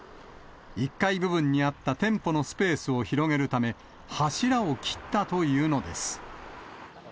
１階部分にあった店舗のスペースを広げるため、柱を切ったというのです。